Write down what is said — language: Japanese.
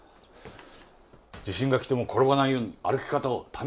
地震が来ても転ばないように歩き方を試してるんだ！